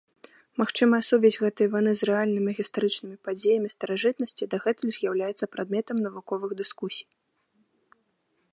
Магчымая сувязь гэтай вайны з рэальнымі гістарычнымі падзеямі старажытнасці дагэтуль з'яўляецца прадметам навуковых дыскусій.